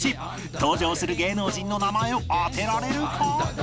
登場する芸能人の名前を当てられるか？